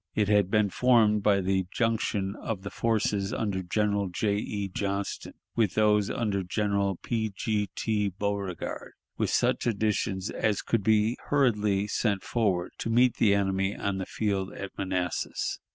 It had been formed by the junction of the forces under General J. E. Johnston with those under General P. G. T. Beauregard, with such additions as could be hurriedly sent forward to meet the enemy on the field of Manassas.